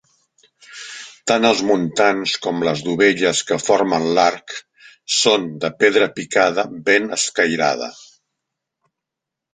Tant els muntants com les dovelles que formen l'arc són de pedra picada ben escairada.